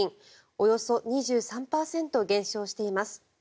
およそ２３％減少しています。